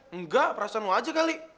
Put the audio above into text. enggak perasaan lo aja kali